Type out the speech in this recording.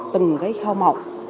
từng cái khau mọc